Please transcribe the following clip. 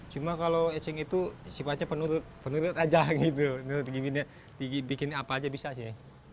cuma kalau ecing itu sifatnya penutup penurut aja gitu bikin apa aja bisa sih